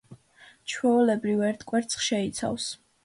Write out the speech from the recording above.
ჩვეულებრივ ერთ კვერცხს შეიცავს.